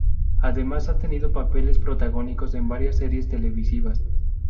Además, ha tenido papeles protagónicos en varias series televisivas.